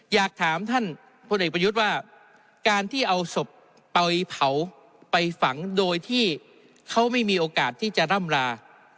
อยากถามท่านพลเอกประยุทธ์ว่าการที่เอาศพไปเผาไปฝังโดยที่เขาไม่มีโอกาสที่จะร่ำลา